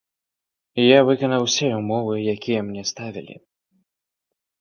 Я выканаў усе ўмовы, якія мне ставілі.